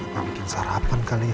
mungkin sarapan kali ya